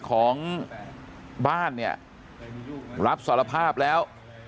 ของบ้านเนี่ยรับสารภาพแล้ว